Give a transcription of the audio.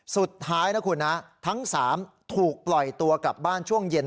สุดท้ายนะคุณนะทั้ง๓ถูกปล่อยตัวกลับบ้านช่วงเย็น